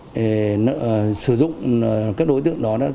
sử dụng các đối tượng đối tượng đối tượng đối tượng đối tượng đối tượng